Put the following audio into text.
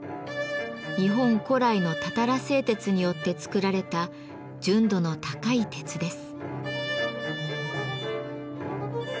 日本古来のたたら製鉄によって作られた純度の高い鉄です。